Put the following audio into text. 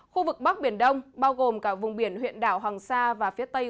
khu vực bắc biển đông bao gồm cả vùng biển huyện đảo hoàng sa và phía tây